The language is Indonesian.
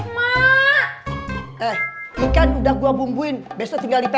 hai eh bukan udah gua bumbuin besok bisa baca apa ya